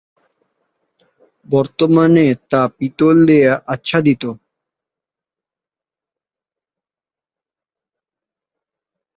বর্তমানে তা পিতল দিয়ে আচ্ছাদিত।